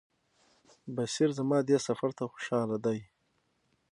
بصیر زما دې سفر ته خوشاله دی.